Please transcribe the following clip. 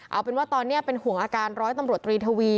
เอาเป็นว่าตอนนี้เป็นห่วงอาการร้อยตำรวจตรีทวี